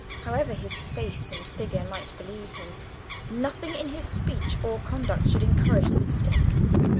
However his face and figure might belie him, nothing in his speech or conduct should encourage the mistake.